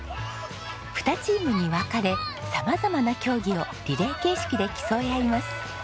２チームに分かれ様々な競技をリレー形式で競い合います。